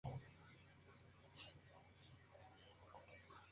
Su primera profesora allí fue Lisa Kudrow.